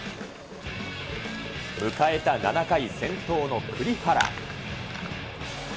迎えた７回、先頭の栗原。